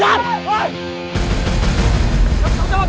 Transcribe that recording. mereka udah dekat banget div